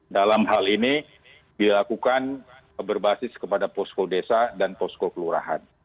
dalam hal ini dilakukan berbasis kepada posko desa dan posko kelurahan